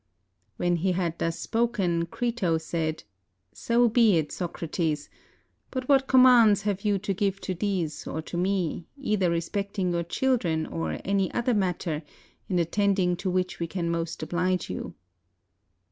177 GREECE When he had thus spoken, Crito said, "So be it, Soc rates; but what commands have you to give to these or to me, either respecting your children or any other matter, in attending to which we can most obHge you?"